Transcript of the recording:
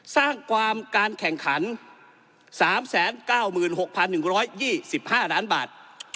สร้างความการแข่งขัน๓๙๖๑๒๕ล้านบาท